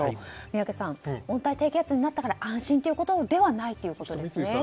宮家さん温帯低気圧になったから安心ではないということですね。